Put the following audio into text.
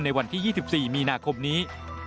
ในวันที่๒๔มีนาคมนี้